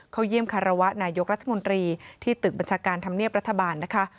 เยี่ยมคารวะนายกรัฐมนตรีที่ตึกบัญชาการธรรมเนียบรัฐบาลนะคะ